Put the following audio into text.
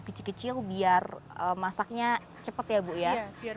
kecil kecil biar masaknya cepat ya bu ya